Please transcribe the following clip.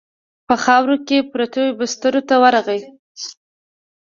په خاورو کې پرتو بسترو ته ورغی.